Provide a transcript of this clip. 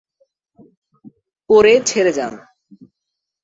পরে ছেড়ে যান।